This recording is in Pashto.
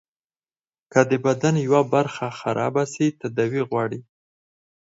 که د بدن يوه برخه خرابه سي تداوي غواړي.